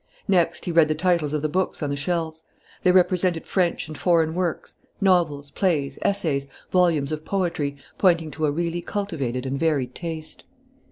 Next, he read the titles of the books on the shelves. They represented French and foreign works, novels, plays, essays, volumes of poetry, pointing to a really cultivated and varied taste.